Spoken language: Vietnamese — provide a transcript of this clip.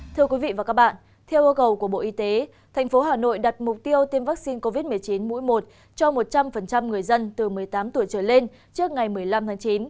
thưa quý vị và các bạn theo yêu cầu của bộ y tế thành phố hà nội đặt mục tiêu tiêm vaccine covid một mươi chín mũi một cho một trăm linh người dân từ một mươi tám tuổi trở lên trước ngày một mươi năm tháng chín